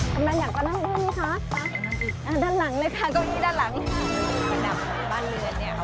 หนูไม่ได้พูดอะไรเลยอ่ะโอ้โห